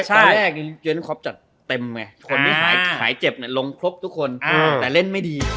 ตอนแรกเทนก็อปจัดเต็มตัวนี้หายเจ็บลงครบแต่เล่นไม่ดี